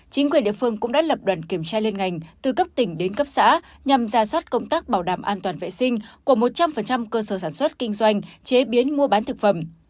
chính quyền địa phương cũng đã lập đoàn kiểm tra liên ngành từ cấp tỉnh đến cấp xã nhằm ra soát công tác bảo đảm an toàn vệ sinh của một trăm linh cơ sở sản xuất kinh doanh chế biến mua bán thực phẩm